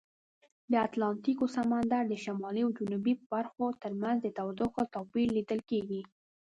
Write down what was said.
د اتلانتیک سمندر د شمالي او جنوبي برخو ترمنځ د تودوخې توپیر لیدل کیږي.